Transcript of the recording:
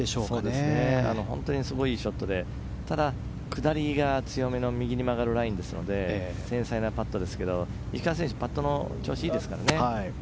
いいショットでただ、下りが強めの右に曲がるラインですので繊細なパットですけど石川選手はパットの調子がいいですからね。